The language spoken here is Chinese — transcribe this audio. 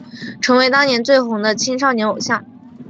成为当年最红的青少年偶像。